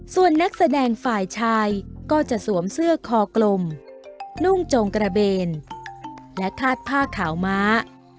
ส่วนนักแสดงฝ่ายชายก็จะสวมเสื้อคอกลมนุ่งจงกระเบนและคลาดผ้าขาวม้า